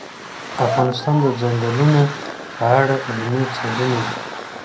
افغانستان د ځنګلونه په اړه علمي څېړنې لري.